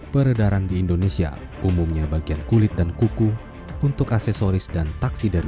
peredaran di indonesia umumnya bagian kulit dan kuku untuk aksesoris dan taksi dari